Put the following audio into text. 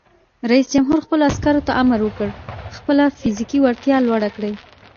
رئیس جمهور خپلو عسکرو ته امر وکړ؛ خپله فزیکي وړتیا لوړه کړئ!